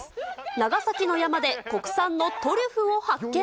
長崎の山で国産のトリュフを発見。